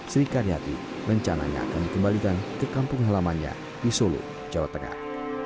sri karyati rencananya akan dikembalikan ke kampung halamannya di solo jawa tengah